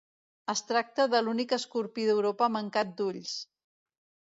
Es tracta de l'únic escorpí d'Europa mancat d'ulls.